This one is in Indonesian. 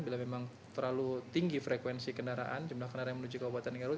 bila memang terlalu tinggi frekuensi kendaraan jumlah kendaraan yang menuju ke obat obatan garut